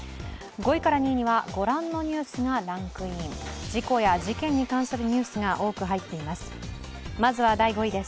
５位から２位にはご覧のニュースがランクイン、事故や事件に関するニュースが多く入っています。